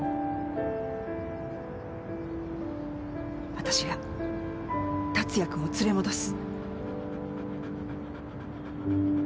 わたしが達也君を連れ戻す。